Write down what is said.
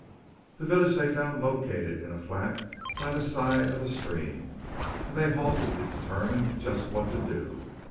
The village they found located in a flat by the side of a stream, and they halted to determine just what to do.